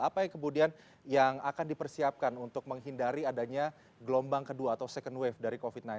apa yang kemudian yang akan dipersiapkan untuk menghindari adanya gelombang kedua atau second wave dari covid sembilan belas